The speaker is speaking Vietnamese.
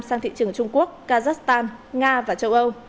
sang thị trường trung quốc kazakhstan nga và châu âu